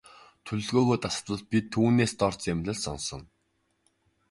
Төлөвлөгөө тасалбал бид түүнээс дор зэмлэл сонсоно.